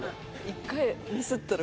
一回ミスったら。